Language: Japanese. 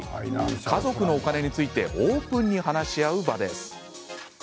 家族のお金についてオープンに話し合う場です。